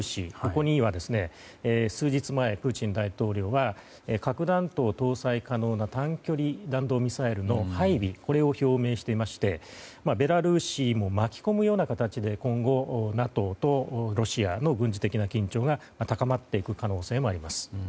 ここには、数日前プーチン大統領が核弾頭搭載可能な短距離弾道ミサイルの配備を表明していましてベラルーシも巻き込むような形で今後、ＮＡＴＯとロシアの軍事的な緊張が高まっていく可能性もあります。